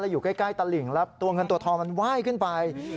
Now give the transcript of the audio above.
อยู่ใกล้ตลิ่งแล้วตัวเงินตัวทองมันไหว้ขึ้นไป